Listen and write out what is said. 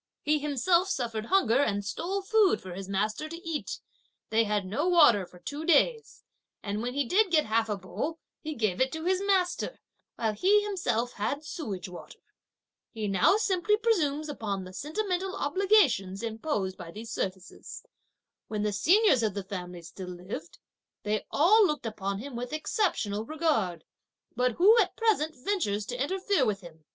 He himself suffered hunger and stole food for his master to eat; they had no water for two days; and when he did get half a bowl, he gave it to his master, while he himself had sewage water. He now simply presumes upon the sentimental obligations imposed by these services. When the seniors of the family still lived, they all looked upon him with exceptional regard; but who at present ventures to interfere with him?